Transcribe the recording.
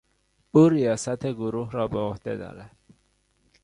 او ریاست گروه را به عهده دارد.